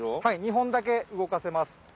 はい２本だけ動かせます。